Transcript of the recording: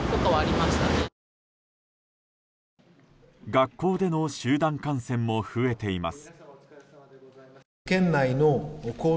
学校での集団感染も増えています。